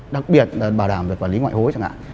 đặc biệt là bảo đảm về quản lý ngoại hối chẳng hạn